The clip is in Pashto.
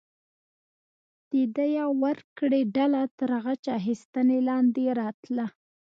د دیه ورکړې ډله تر غچ اخیستنې لاندې راتله.